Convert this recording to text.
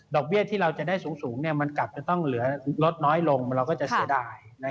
เบี้ยที่เราจะได้สูงมันกลับจะต้องเหลือลดน้อยลงเราก็จะเสียดาย